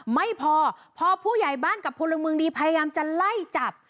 ไม่พอพอผู้ใหญ่บ้านกับพลเมืองดีพยายามจะไล่จับ